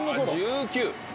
１９！